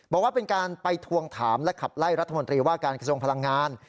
บอกว่าเป็นการไปทวงถามและขับไล่รัฐมนตรีว่าการกระทรวงพลังงาน